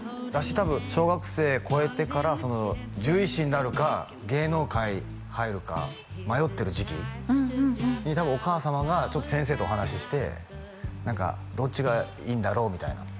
小学生超えてから獣医師になるか芸能界入るか迷ってる時期に多分お母様がちょっと先生とお話ししてどっちがいいんだろうみたいな